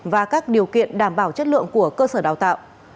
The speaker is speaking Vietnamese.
và các điều kiện đảm bảo chất lượng của cơ sở đào tạo